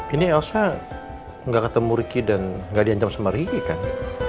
ini elsa gak ketemu riki dan gak diancam sama riki kan